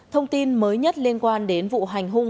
thông tin mới nhất liên quan đến vụ hành hung